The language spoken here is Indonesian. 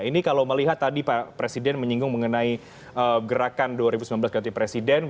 ini kalau melihat tadi pak presiden menyinggung mengenai gerakan dua ribu sembilan belas ganti presiden